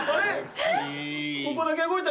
ここだけ動いた。